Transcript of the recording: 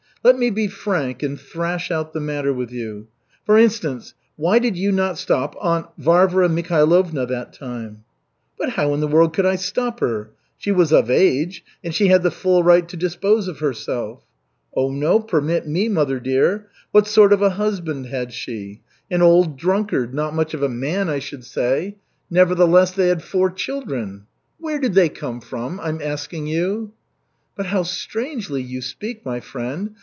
"Let me be frank and thrash out the matter with you. For instance, why did you not stop Aunt Varvara Mikhailovna that time?" "But how in the world could I stop her? She was of age, and she had the full right to dispose of herself." "Oh, no, permit me, mother dear. What sort of a husband had she? An old drunkard, not much of a man, I should say. Nevertheless, they had four children. Where did they come from, I'm asking you?" "But how strangely you speak, my friend.